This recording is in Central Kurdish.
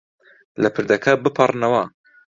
لە پردەکە بپەڕنەوە.